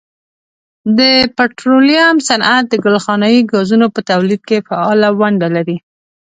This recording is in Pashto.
د پټرولیم صنعت د ګلخانهیي ګازونو په تولید کې فعاله ونډه لري.